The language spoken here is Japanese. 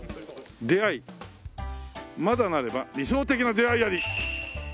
「出会まだなれば理想的な出会いあり」